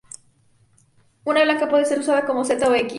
Una blanca puede ser usada como "Z" o "X".